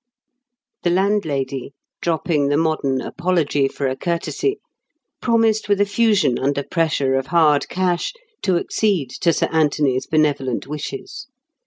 The landlady, dropping the modern apology for a curtsey, promised with effusion under pressure of hard cash, to accede to Sir Anthony's benevolent wishes.